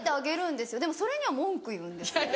でもそれには文句言うんです。